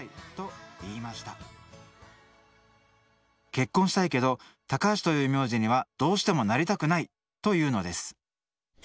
「結婚したいけど『高橋』という名字にはどうしてもなりたくない！」と言うのです。